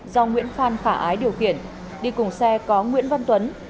do nguyễn phan khả ái điều khiển đi cùng xe có nguyễn văn tuấn